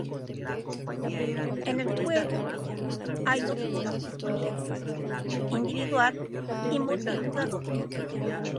En el juego hay dos modos disponibles: individual y multijugador.